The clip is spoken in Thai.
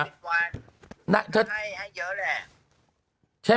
เล่นให้เอาเยอะแหละ